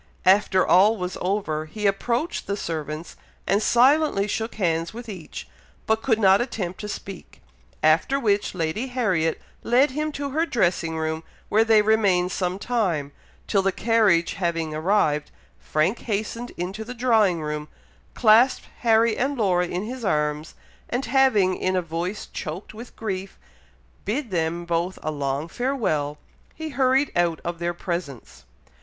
After all was over, he approached the servants, and silently shook hands with each, but could not attempt to speak; after which Lady Harriet led him to her dressing room, where they remained some time, till, the carriage having arrived, Frank hastened into the drawing room, clasped Harry and Laura in his arms, and having, in a voice choked with grief, bid them both a long farewell, he hurried out of their presence.